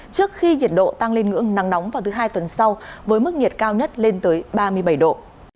trước khi nhiệt độ tăng lên ngưỡng nắng nóng vào thứ hai tuần sau với mức nhiệt cao nhất lên tới ba mươi bảy độ